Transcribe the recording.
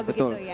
sama begitu ya